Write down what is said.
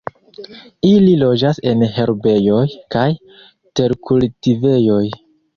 Ili loĝas en herbejoj kaj terkultivejoj.